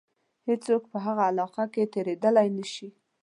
هیڅوک په هغه علاقه کې تېرېدلای نه شي.